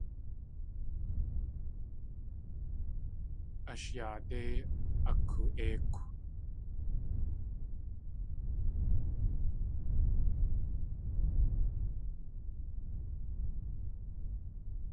Ash yaadé akoo.éikw.